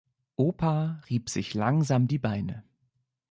Opa rieb sich langsam die Beine.